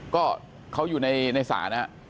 ก็เขาอยู่ในศาลนะฮะ